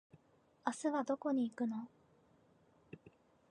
明日はどこに行くの？